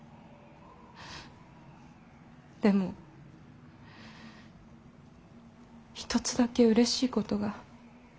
でも一つだけうれしいことが。